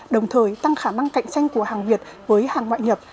đồng thời tăng khả năng cạnh tranh của hàng việt với hàng ngoại nhập